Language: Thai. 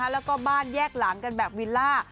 แล้วก็บ้านแยกหลังกันแบบวิลล่า